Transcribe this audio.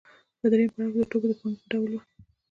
په درېیم پړاو کې د توکو د پانګې په ډول وه